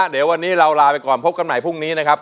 เดี๋ยววันนี้เราลาไปก่อนพบกันใหม่พรุ่งนี้นะครับ